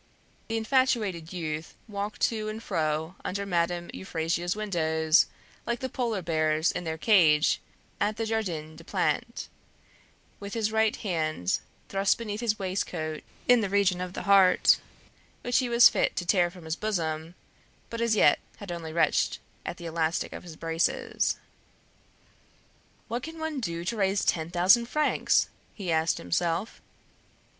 The infatuated youth walked to and fro under Madame Euphrasia's windows, like the polar bears in their cage at the Jardin des Plantes, with his right hand thrust beneath his waistcoat in the region of the heart, which he was fit to tear from his bosom, but as yet he had only wrenched at the elastic of his braces. "What can one do to raise ten thousand francs?" he asked himself.